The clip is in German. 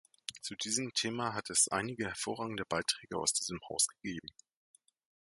Zu diesem Thema hat es einige hervorragende Beiträge aus diesem Haus gegeben.